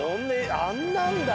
あんなあるんだ。